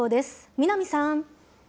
南さん。